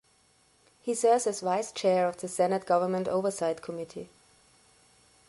He serves as vice chair of the Senate Government Oversight Committee.